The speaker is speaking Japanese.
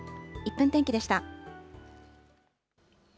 １分天気でした。